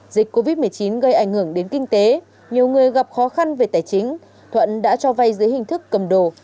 dịch covid một mươi chín gây ảnh hưởng đến kinh tế nhiều người gặp khó khăn về tài chính thuận đã cho vay dưới hình thức cầm đồ